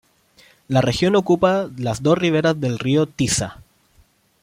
La región ocupa las dos riberas del río Tisza.